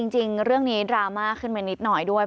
จริงเรื่องนี้ดราม่าขึ้นไปนิดหน่อยด้วย